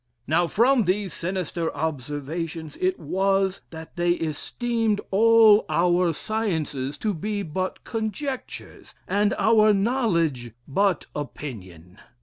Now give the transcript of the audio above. Now, from these sinister observations it was that they esteemed all our sciences to be but conjectures, and our knowledge but opinion.